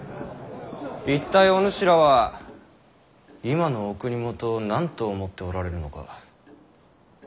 一体お主らは今のお国元を何と思っておられるのか？